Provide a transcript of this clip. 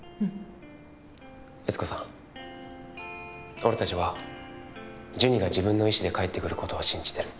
俺たちはジュニが自分の意志で帰ってくることを信じてる。